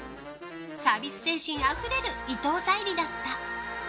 サービス精神あふれる伊藤沙莉だった。